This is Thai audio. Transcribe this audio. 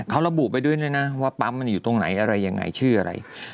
เขาระบุไปด้วยด้วยนะว่าปั๊มมันอยู่ตรงไหนอะไรยังไงชื่ออะไร